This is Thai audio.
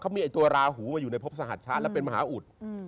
เขามีตัวราหูมาอยู่ในพบสหรัฐชาติแล้วเป็นมหาอุทธิ์